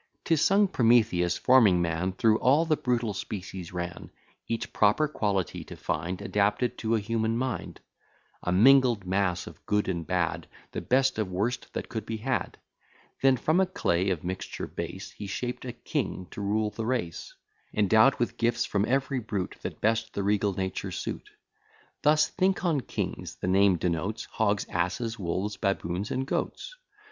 'Tis sung, Prometheus, forming man, Through all the brutal species ran, Each proper quality to find Adapted to a human mind; A mingled mass of good and bad, The best and worst that could be had; Then from a clay of mixture base He shaped a to rule the race, Endow'd with gifts from every brute That best the nature suit. Thus think on s: the name denotes Hogs, asses, wolves, baboons, and goats.